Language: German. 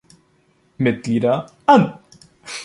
Mitglieder an.